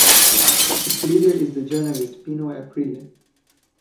Its leader is the journalist Pino Aprile.